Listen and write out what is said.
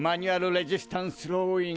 レジスタンス・ローイン。